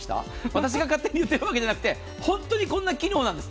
私が勝手に言っているわけじゃなくて本当にこんな機能なんです。